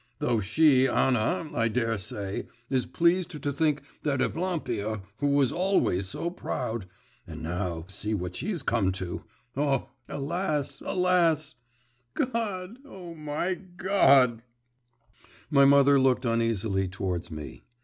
Though she, Anna, I daresay, is pleased to think that Evlampia, who was always so proud, and now see what she's come to!… O … alas … alas! God, my God!' My mother looked uneasily towards me.